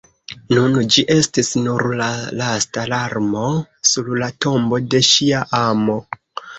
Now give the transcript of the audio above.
Nun ĝi estis nur la lasta larmo sur la tombo de ŝia amo!